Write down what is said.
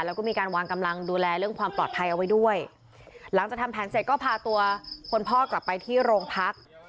แล้วก็มีการวางกำลังดูแลเรื่องความปลอดภัยเอาไว้ด้วยหลังจากทำแผนเสร็จก็พาตัวคนพ่อกลับไปที่โรงพัก